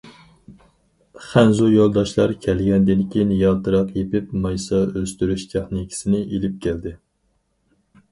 خەنزۇ يولداشلار كەلگەندىن كېيىن يالتىراق يېپىپ مايسا ئۆستۈرۈش تېخنىكىسىنى ئېلىپ كەلدى.